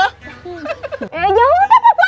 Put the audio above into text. eh jangan ngutap apa apa